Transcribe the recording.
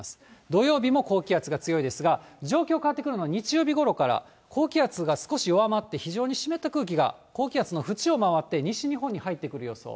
土曜日も高気圧が強いですが、状況変わってくるのは日曜日ごろから、高気圧が少し弱まって、非常に湿った空気が、高気圧の縁を回って、西日本に入ってくる予想。